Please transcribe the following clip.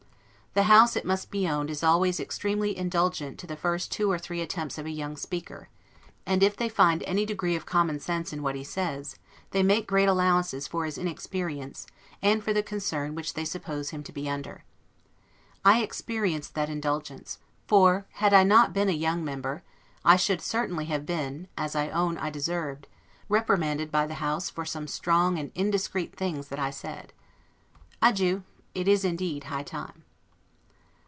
The House, it must be owned, is always extremely indulgent to the two or three first attempts of a young speaker; and if they find any degree of common sense in what he says, they make great allowances for his inexperience, and for the concern which they suppose him to be under. I experienced that indulgence; for had I not been a young member, I should certainly have been, as I own I deserved, reprimanded by the House for some strong and indiscreet things that I said. Adieu! It is indeed high time.